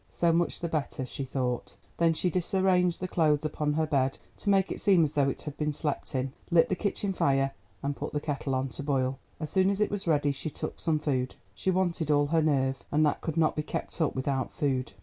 So much the better, she thought. Then she disarranged the clothes upon her bed to make it seem as though it had been slept in, lit the kitchen fire, and put the kettle on to boil, and as soon as it was ready she took some food. She wanted all her nerve, and that could not be kept up without food.